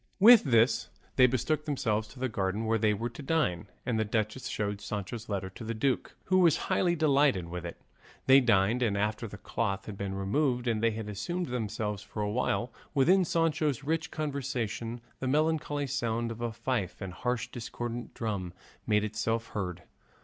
With this they betook themselves to a garden where they were to dine, and the duchess showed Sancho's letter to the duke, who was highly delighted with it. They dined, and after the cloth had been removed and they had amused themselves for a while with Sancho's rich conversation, the melancholy sound of a fife and harsh discordant drum made itself heard.